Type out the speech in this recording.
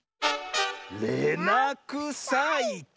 「れなくさいち」